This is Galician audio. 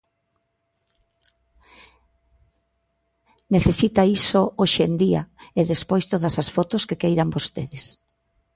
Necesita iso hoxe en día, e despois todas as fotos que queiran vostedes.